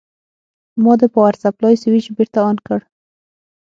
ما د پاور سپلای سویچ بېرته آن کړ.